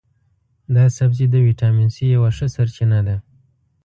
دا سبزی د ویټامین سي یوه ښه سرچینه ده.